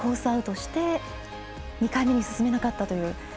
アウトして２回目に進めなかったという。